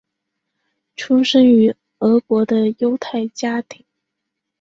出生于俄国的犹太家庭。